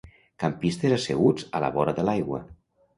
Campistes asseguts a la vora de l'aigua.